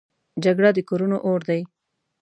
جګړه د کورونو اور دی